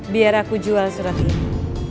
biar aku jual surat ini